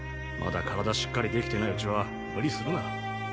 まだ体しっかりできてないうちは無理するな。